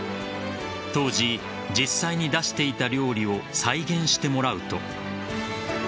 当時、実際に出していた料理を再現してもらうと。